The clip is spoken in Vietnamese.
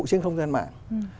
trên không gian mạng